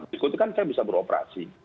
itu kan saya bisa beroperasi